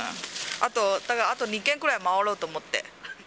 あと、だから、あと２軒くらい回ろうと思って。